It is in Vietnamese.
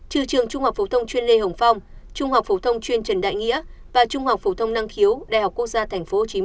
trừ trường trung học phổ thông chuyên lê hồng phong trung học phổ thông chuyên trần đại nghĩa và trung học phổ thông năng khiếu đại học quốc gia tp hcm